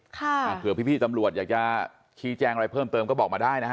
เผื่อพี่ตำรวจอยากจะชี้แจ้งอะไรเพิ่มเติมก็บอกมาได้นะฮะ